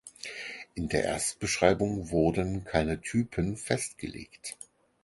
In der Erstbeschreibung wurden keine Typen festgelegt.